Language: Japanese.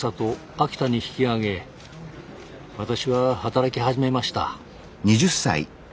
私は働き始めました。